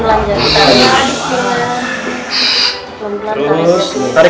pelan pelan jangan tarik